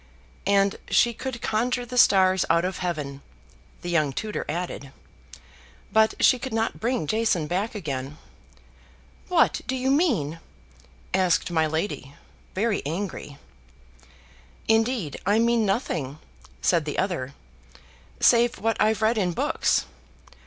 "And she could conjure the stars out of heaven," the young tutor added, "but she could not bring Jason back again." "What do you mean?" asked my lady, very angry. "Indeed I mean nothing," said the other, "save what I've read in books.